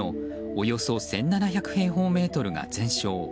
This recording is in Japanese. およそ１７００平方メートルが全焼。